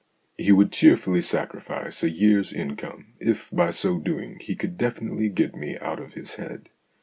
He would cheerfully sacrifice a year's income if by so doing he could definitely get me out of his head.